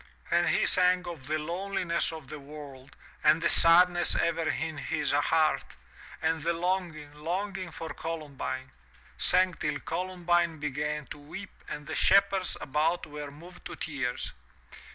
And he sang of the loneliness of the world and the sadness ever in his heart, and the longing, longing for Colum bine — sang till Columbine began to weep and the shepherds about were moved to tears.